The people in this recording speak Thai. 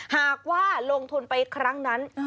หากว่าลงทุนไปครั้งนั้น